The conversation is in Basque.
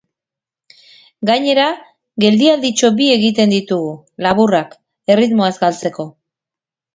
Gainera, geldialditxo bi egiten ditugu, laburrak, erritmoa ez galtzeko.